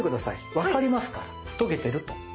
わかりますからとげてると。